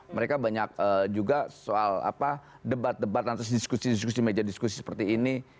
mereka banyak juga soal debat debat nanti diskusi diskusi meja diskusi seperti ini